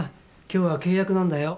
今日は契約なんだよ。